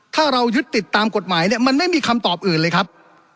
ถ้าเรายึดติดตามกฎหมายเนี่ยมันไม่มีคำตอบอื่นเลยครับ